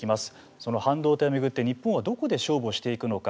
その半導体を巡って日本はどこで勝負をしていくのか。